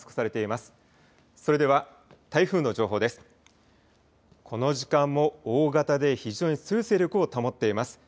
この時間も大型で非常に強い勢力を保っています。